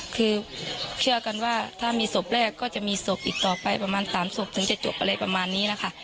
คือเชื่อกันว่าถ้ามีศพแรกก็จะมีศพอีกต่อไปประมาณ๓ศพถึงจะจบอะไรประมาณนี้แหละค่ะ